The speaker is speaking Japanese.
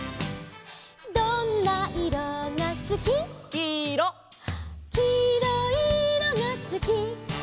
「どんないろがすき」「」「きいろいいろがすき」